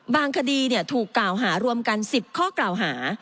คดีถูกกล่าวหารวมกัน๑๐ข้อกล่าวหา